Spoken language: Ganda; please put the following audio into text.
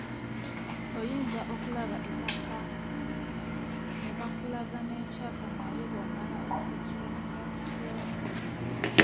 Oyinza okulaba ettaka ne bakulaga n’ekyapa naye bw'omala okusasula ne bakufera.